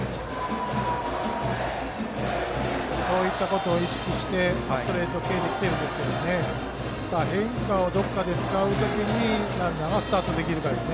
そういったことを意識してストレート系できているんですが変化をどこかで使う時にランナーがスタートできるかです。